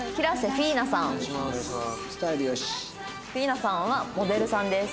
フィーナさんはモデルさんです。